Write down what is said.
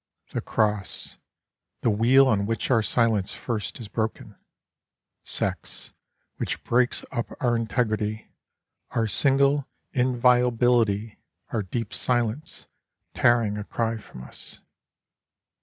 The cross, The wheel on which our silence first is broken, Sex, which breaks up our integrity, our single inviolability, our deep silence Tearing a cry from us.